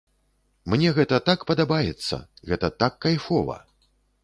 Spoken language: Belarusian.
Мне гэта так падабаецца, гэта так кайфова.